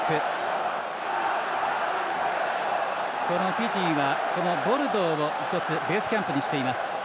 フィジーは、ボルドーを一つベースキャンプにしています。